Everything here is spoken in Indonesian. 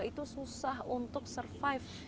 itu susah untuk survive